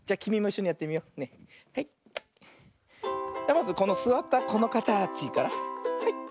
まずこのすわったこのかたちからはい。